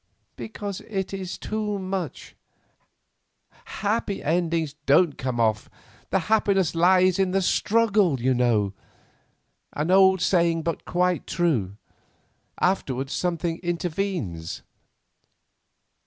"Because it is too much. 'Happy endings' don't come off. The happiness lies in the struggle, you know,—an old saying, but quite true. Afterwards something intervenes."